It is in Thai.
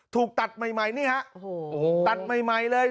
ถูกตัดใหม่ใหม่นี่ฮะโอ้โหตัดใหม่ใหม่เลย